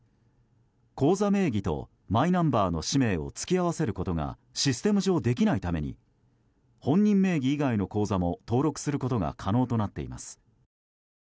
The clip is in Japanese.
口座名義とマイナンバーの氏名を突き合わせることがシステム上できないために本人名義以外の口座も登録することが可能となっています。